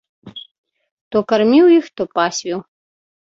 То карміў іх, то пасвіў.